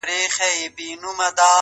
علم د ټولنې پرمختګ تضمینوي!